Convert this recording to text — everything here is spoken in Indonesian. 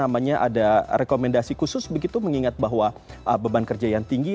ada rekomendasi khusus begitu mengingat bahwa beban kerja yang tinggi